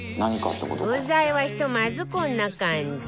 具材はひとまずこんな感じ